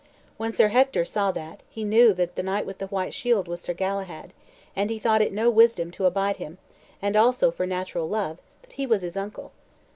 When Sir Hector saw that, he knew that the knight with the white shield was Sir Galahad, and he thought it no wisdom to abide him, and also for natural love, that he was his uncle.